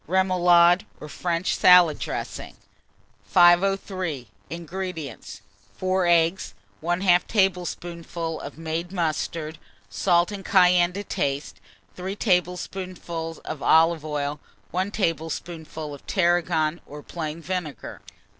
REMOULADE, or FRENCH SALAD DRESSING. 503. INGREDIENTS. 4 eggs, 1/2 tablespoonful of made mustard, salt and cayenne to taste, 3 tablespoonfuls of olive oil, 1 tablespoonful of tarragon or plain vinegar.